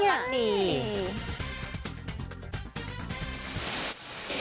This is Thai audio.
เออน่ากลักดี